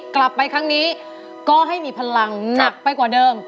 กลับไปครั้งนี้ก็ให้มีพลังหนักไปกว่าเดิม